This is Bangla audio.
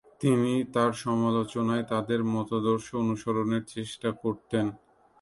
তিনি তার সমালোচনায় তাদের মতাদর্শ অনুসরণের চেষ্টা করতেন।